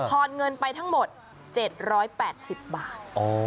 พอดเงินไปทั้งหมดเจ็ดร้อยแปดสิบบาทอ๋อ